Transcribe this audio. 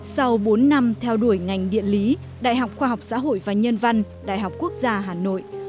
sau bốn năm theo đuổi ngành điện lý đại học khoa học xã hội và nhân văn đại học quốc gia hà nội